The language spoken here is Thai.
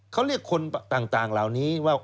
เขาเรียกคนต่างเหล่านี้ว่า